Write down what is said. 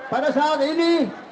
pada saat ini